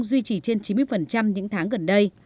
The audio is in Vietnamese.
duy trì trên chín mươi những tháng gần đây